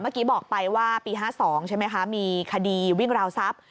เมื่อกี้บอกไปว่าปี๕๒ใช่ไหมคะมีคดีวิ่งราวทรัพย์